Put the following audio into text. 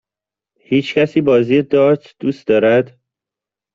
هیچکسی بازی دارت دوست دارد؟